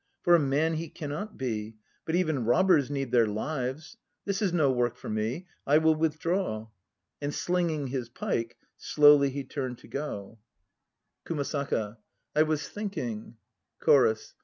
For a man he cannot be! But even robbers need their lives! This is no work for me; I will withdraw." And slinging his pike, slowly he turned to go. 1 Names of strokes in fencing. KUMASAKA 67 KUMASAKA. I was thinking. CHORUS.